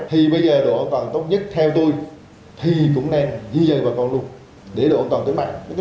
thì bây giờ độ an toàn tốt nhất theo tôi thì cũng nên di dời bà con luôn để độ an toàn tới mạng